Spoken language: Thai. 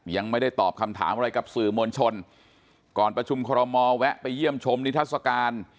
ยังไม่ได้ตอบคำถามอะไรกับสื่อมวลชนก่อนประชุมคอรมอแวะไปเยี่ยมชมนิทัศกาล